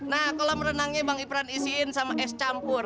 nah kolam renangnya bang ipran isiin sama es campur